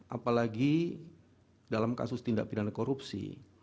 apalagi dalam kasus tindak pidana korupsi